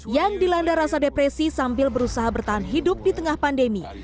yang dilanda rasa depresi sambil berusaha bertahan hidup di tengah pandemi